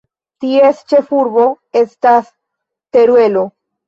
Ties ĉefurbo estas Teruelo.